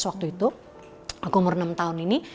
waktu itu aku umur enam tahun ini